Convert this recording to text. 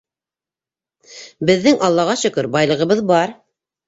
Беҙҙең, аллаға шөкөр, байлығыбыҙ бар.